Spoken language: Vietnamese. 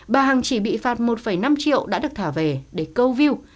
bà hằng chỉ bị phạt một năm triệu đã được thả về để câu view